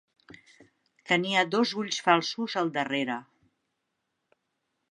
Tenia dos "ulls falsos" al darrere.